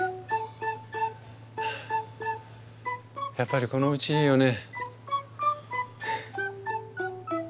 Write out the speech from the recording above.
やっぱりこのうちいいよね。